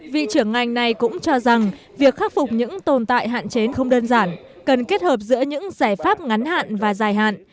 vị trưởng ngành này cũng cho rằng việc khắc phục những tồn tại hạn chế không đơn giản cần kết hợp giữa những giải pháp ngắn hạn và dài hạn